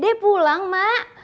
dede pulang mak